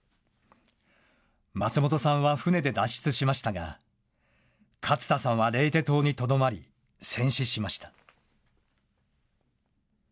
松本さんは船で脱出しましたが、勝田さんはレイテ島にとどまり、戦死しました。